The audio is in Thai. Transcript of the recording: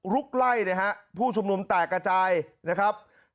ลุกไล่นะฮะผู้ชุมนุมแตกกระจายนะครับ